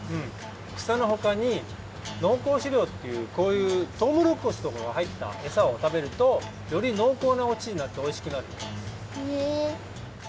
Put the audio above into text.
くさのほかに濃厚しりょうっていうこういうトウモロコシとかがはいったエサを食べるとより濃厚なおちちになっておいしくなるよ！へ！